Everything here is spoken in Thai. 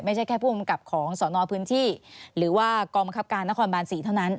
ไม่ใช่แค่ผู้กำกับของสนพื้นที่หรือว่ากองบังคับการนครบาน๔เท่านั้น